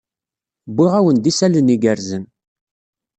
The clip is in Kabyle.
Wwiɣ-awen-d isalan igerrzen.